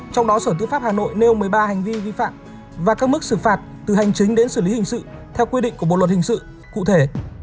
trong đó sở tư pháp hà nội nêu một mươi ba hành vi vi phạm và các mức xử phạt từ hành chính đến xử lý hình sự theo quy định của bộ luật hình sự cụ thể